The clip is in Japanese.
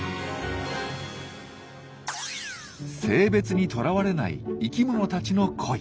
性別にとらわれない生きものたちの恋。